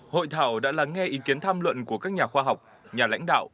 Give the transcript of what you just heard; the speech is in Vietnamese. hội thảo đã lắng nghe ý kiến tham luận của các nhà khoa học nhà lãnh đạo